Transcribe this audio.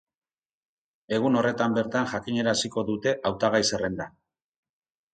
Egun horretan bertan jakinaraziko dute hautagai-zerrenda.